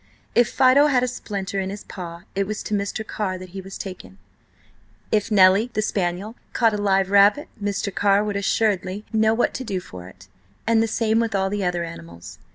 If Fido had a splinter in his paw, it was to Mr. Carr that he was taken; if Nellie, the spaniel, caught a live rabbit, Mr. Carr would assuredly know what to do for it, and the same with all the other animals.